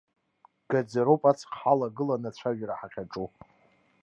Гаӡароуп аҵх ҳалагыланы ацәажәара ҳахьаҿу.